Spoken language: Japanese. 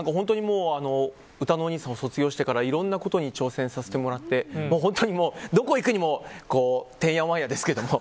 うたのおにいさんを卒業してからいろんなことに挑戦させてもらって本当にどこへ行くにもてんやわんやですけど。